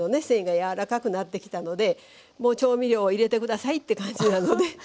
繊維が柔らかくなってきたので「もう調味料を入れてください」って感じなので。